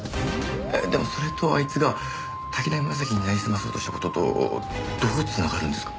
えっでもそれとあいつが滝浪正輝になりすまそうとした事とどう繋がるんですか？